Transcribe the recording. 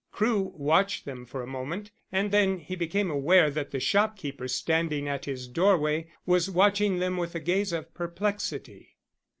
Crewe watched them for a moment and then he became aware that the shopkeeper standing at his doorway was watching them with a gaze of perplexity.